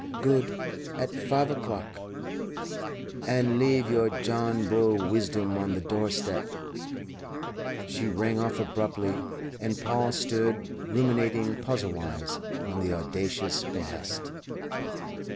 "Good. At five o'clock. And leave your John Bull wisdom on the doorstep." She rang off abruptly, and Paul stood ruminating puzzlewise on the audacious behest.